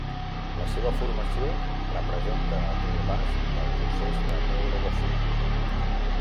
La seva formació representa el primer pas del procés de neurulació.